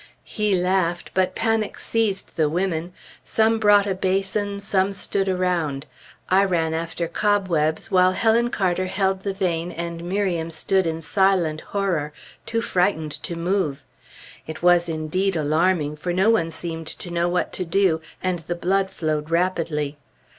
He laughed, but panic seized the women. Some brought a basin, some stood around. I ran after cobwebs, while Helen Carter held the vein and Miriam stood in silent horror, too frightened to move. It was, indeed, alarming, for no one seemed to know what to do, and the blood flowed rapidly.